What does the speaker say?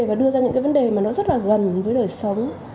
và đưa ra những cái vấn đề mà nó rất là gần với đời sống